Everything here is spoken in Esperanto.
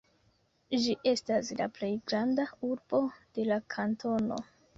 Ĝi estas la plej granda urbo de la kantono.